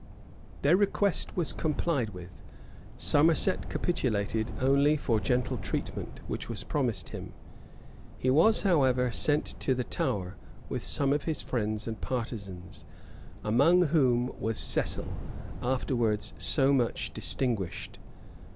Their request was complied with: Somerset capitulated only for gentle treatment, which was promised him. He was, however, sent to the Tower,[*] with some of his friends and partisans, among whom was Cecil, afterwards so much distinguished.